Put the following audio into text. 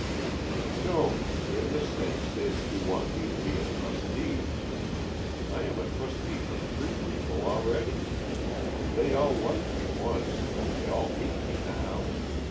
" Don't for goodness' sake say that you want me to be a trustee. I am trustee for three people already. They all liked me once, but they all hate me now.